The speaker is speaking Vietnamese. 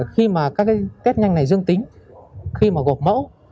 thì sau khi các test nhanh này dương tính khi mà gột mẫu